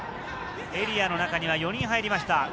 エリアの中には４人入りました。